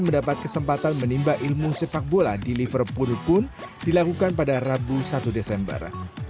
mendapat kesempatan menimba ilmu sepak bola di liverpool pun dilakukan pada rabu satu desember